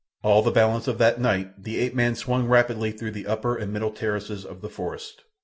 All the balance of that night the ape man swung rapidly through the upper and middle terraces of the forest.